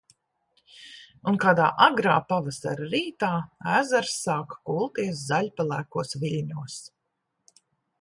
Un kādā agrā pavasara rītā, ezers sāka kulties zaļpelēkos viļņos.